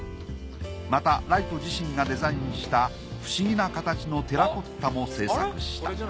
またライト自身がデザインした不思議な形のテラコッタも製作した。